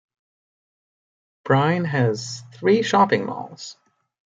Bryne has three shopping malls.